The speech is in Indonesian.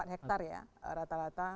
empat hektare ya rata rata